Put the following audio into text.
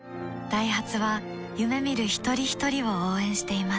ダイハツは夢見る一人ひとりを応援しています